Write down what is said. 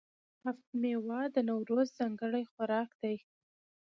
هفت میوه د نوروز ځانګړی خوراک دی.